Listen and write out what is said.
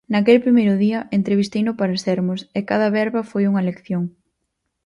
Naquel primeiro día, entrevisteino para Sermos e cada verba foi unha lección.